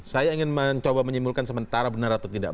saya ingin mencoba menyimpulkan sementara benar atau tidak